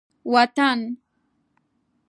وطن